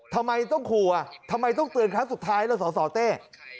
ทำไมต้องขัวทำไมต้องเตือนครั้งสุดท้ายแล้วสสเต้